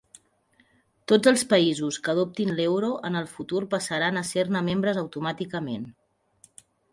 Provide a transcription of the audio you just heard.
Tots els països que adoptin l'euro en el futur passaran a ser-ne membres automàticament.